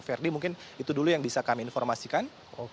ferdi mungkin itu dulu yang bisa kami informasikan